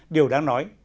điều đáng nói